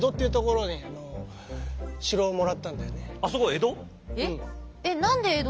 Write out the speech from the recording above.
あっそこ江戸？